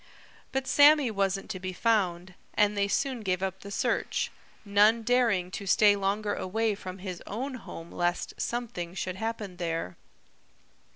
But Sammy wasn't to be found, and they soon gave up the search, none daring to stay longer away from his own home lest something should happen there.